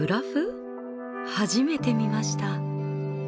初めて見ました！